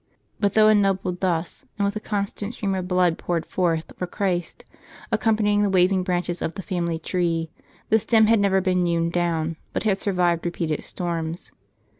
But, though ennobled thus, and with a constant stream of blood poured forth for Christ, accompanying the waving branches of the family tree, the stem had never been hewn down, but had survived repeated storms.